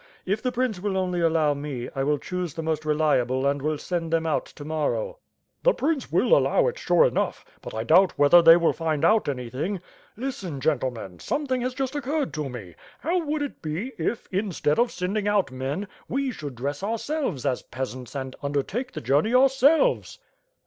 If the prince will only allow me, I will choose the most reli able and will send them out to morrow." "The prince will allow it, sure enough; but I doubt whether they will find out anything. Listen, gentlemen, something has just occurred to me. How would it be if, instead of send ing out men we should dress ourselves as peasants and under take the journey ourselves."